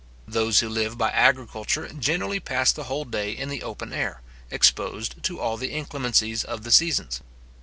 Those who live by agriculture generally pass the whole day in the open air, exposed to all the inclemencies of the seasons.